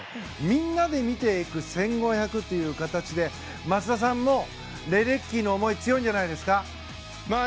みんなで見ていく１５００という形で松田さん、レデッキーの思い強いんじゃないですか？